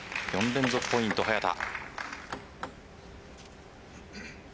４連続ポイント早田。